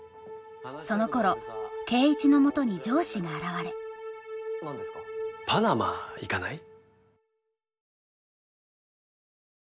そのころ圭一のもとに上司が現れパナマ行かない？